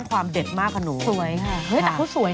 ทำไมเวลาคนอื่นไปทำไรแล้วสวย